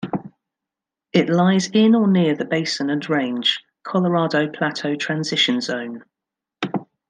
It lies in or near the Basin and Range - Colorado Plateau Transition Zone.